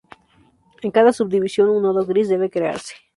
En cada subdivisión un nodo gris debe crearse.